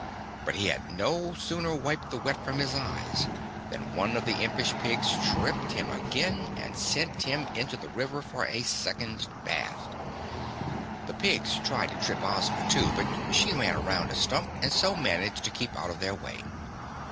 But he had no sooner wiped the wet from his eyes than one of the impish pigs tripped him again and sent him into the river for a second bath. The pigs tried to trip Ozma, too, but she ran around a stump and so managed to keep out of their way.